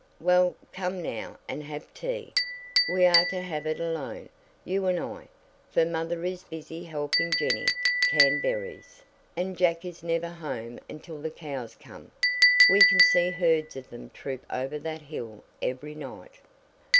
"Well, come now and have tea we are to have it alone, you and I, for mother is busy helping Jennie can berries, and Jack is never home until the cows come we can see herds of them troup over that hill every night."